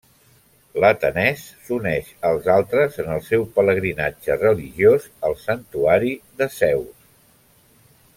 L'atenès s'uneix als altres en el seu pelegrinatge religiós al santuari de Zeus.